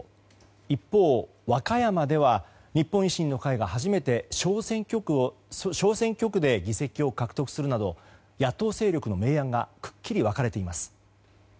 一方、和歌山では日本維新の会が初めて小選挙区で議席を獲得するなど野党勢力の明暗がくっきり分かれています。